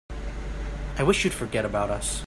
I wish you'd forget about us.